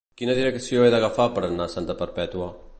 Quina direcció he d'agafar per anar a Santa Perpètua?